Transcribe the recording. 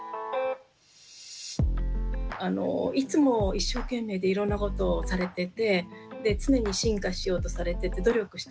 いつも一生懸命でいろんなことをされてて常に進化しようとされてて努力してると思うんですね。